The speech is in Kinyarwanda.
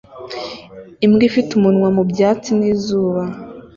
Imbwa ifite umunwa mu byatsi n'izuba